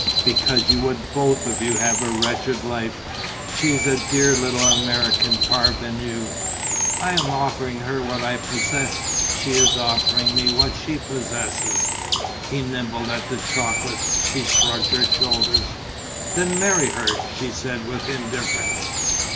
"Because you would both of you have a wretched life. She is a dear little American parvenue...." "I am offering her what I possess; she is offering me what she possesses...." He nibbled at the chocolates. She shrugged her shoulders: "Then marry her," she said, with indifference.